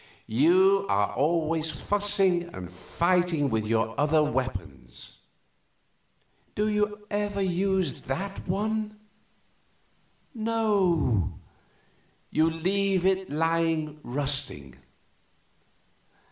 You are always fussing and fighting with your other weapons. Do you ever use that one? No; you leave it lying rusting.